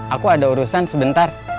aku ada urusan sebentar